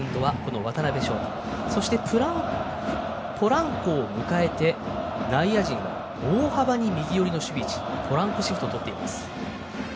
ポランコを迎えて内野陣は大幅に右寄りの守備位置ポランコシフトをとっています。